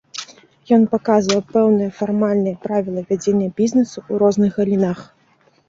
Ён паказвае пэўныя фармальныя правілы вядзення бізнесу ў розных галінах.